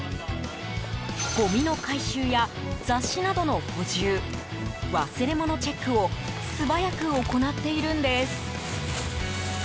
ごみの回収や雑誌などの補充忘れ物チェックを素早く行っているんです。